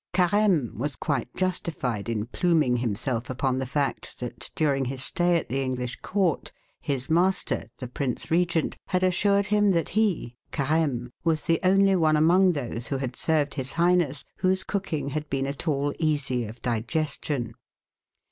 Car^me was quite justified in pluming himself upon the fact that during his stay at the English Court his master — the Prince Regent — had assured him that he (Careme) was the only one among those who had served his Highness whose cooking had been at all easy of digestion.